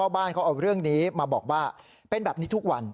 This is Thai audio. ดูเรื่องนี้มาบอกว่าเป็นแบบนี้ทุกวัน